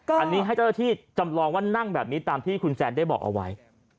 อันนี้ให้เจ้าหน้าที่จำลองว่านั่งแบบนี้ตามที่คุณแซนได้บอกเอาไว้